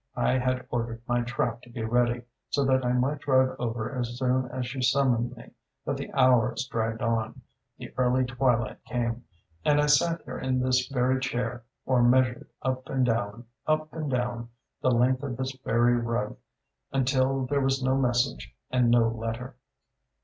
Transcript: I had ordered my trap to be ready, so that I might drive over as soon as she summoned me; but the hours dragged on, the early twilight came, and I sat here in this very chair, or measured up and down, up and down, the length of this very rug and still there was no message and no letter.